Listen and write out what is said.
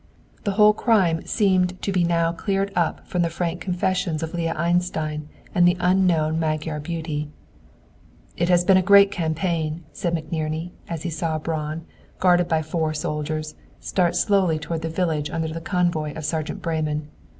The whole crime seemed to be now cleared up from the frank confessions of Leah Einstein and the unknown Magyar beauty. "It has been a great campaign," said McNerney, as he saw Braun, guarded by four soldiers, start slowly toward the village under the convoy of Sergeant Breyman.